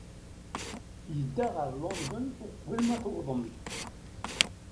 Yedda ɣer London uqbel ma tuwḍem-d.